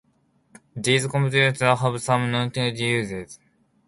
These compounds have some notable uses.